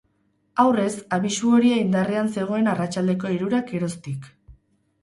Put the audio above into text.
Aurrez, abisu horia indarrean zegoen arratsaldeko hirurak geroztik.